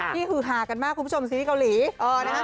ฮือฮากันมากคุณผู้ชมซีรีส์เกาหลี